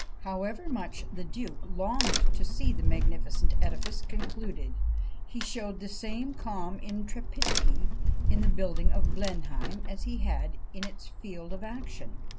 However much the duke longed to see the magnificent edifice concluded, he showed the same calm intrepidity in the building of Blenheim as he had in its field of action.